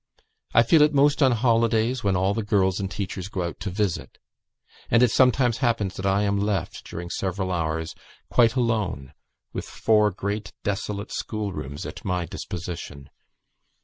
I feel it most on holidays, when all the girls and teachers go out to visit, and it sometimes happens that I am left, during several hours, quite alone, with four great desolate schoolrooms at my disposition.